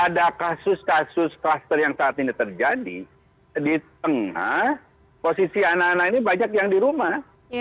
ada kasus kasus kluster yang saat ini terjadi di tengah posisi anak anak ini banyak yang di rumah